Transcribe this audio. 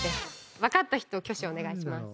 分かった人挙手お願いします。